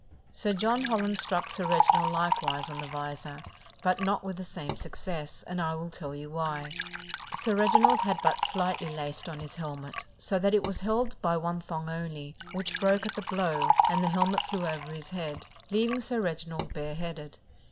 Sir John Holland struck Sir Reginald likewise on the visor, but not with the same success, and I will tell you why: Sir Reginald had but slightly laced on his helmet, so that it was held by one thong only, which broke at the blow, and the helmet flew over his head, leaving Sir Reginald bare headed.